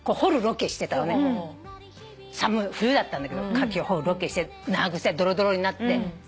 寒い冬だったんだけどカキを掘るロケして長靴でドロドロになって。